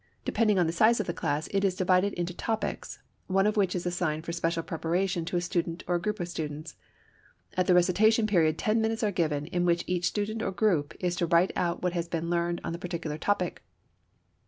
Depending on the size of the class, it is divided into topics, one of which is assigned for special preparation to a student or a group of students. At the recitation period ten minutes are given in which each student or group is to write out what has been learned on the particular topic.